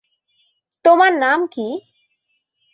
তোমার নাম কি?